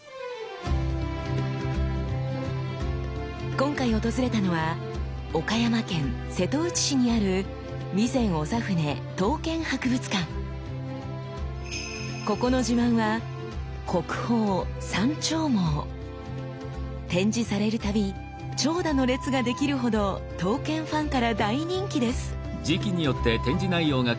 今回訪れたのは岡山県瀬戸内市にあるここの自慢は展示されるたび長蛇の列ができるほど刀剣ファンから大人気です。